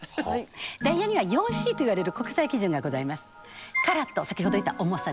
ダイヤには４Ｃといわれる国際基準がございます。